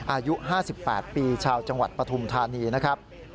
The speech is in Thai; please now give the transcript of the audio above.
อายุ๕๘ปีชาวจังหวัดปฐุมธานีนะครับ